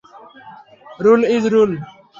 Rule is, rule.